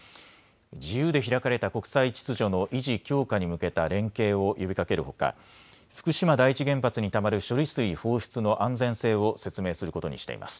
自由で開かれた国際秩序の維持・強化に向けた連携を呼びかけるほか、福島第一原発にたまる処理水放出の安全性を説明することにしています。